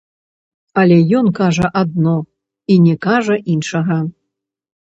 Але ён кажа адно і не кажа іншага.